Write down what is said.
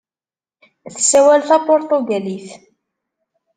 Tessawal tapuṛtugalit.